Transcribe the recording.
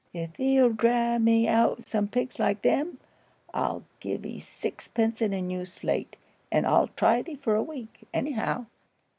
If thee'll draa me out some pigs like them, I'll give 'ee sixpence and a new slate, and I'll try thee for a week, anyhow."